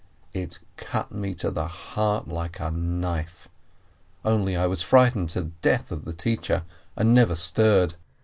It cut me to the heart like a knife, only I was frightened to death of the teacher, and never stirred.